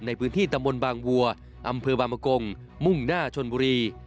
ในพื้นที่ตำบลบางวัวอำเภอบางมะกงมุ่งหน้าชนบุรี